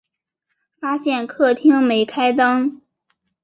发现客厅没开灯